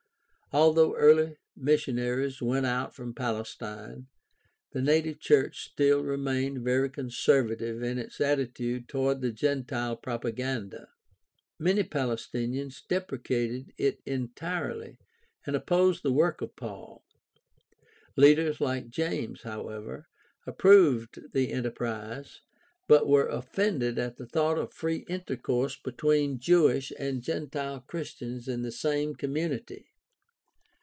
Although early missionaries went out from Palestine, the native church still remained very conservative in its attitude toward the gentile propaganda. Many Palestinians depre cated it entirely and opposed the work of Paul. Leaders like James, however, approved the enterprise, but were offended at the thought of free intercourse between Jewish and gentile Christians in the same community.